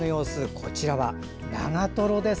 こちらは長瀞です。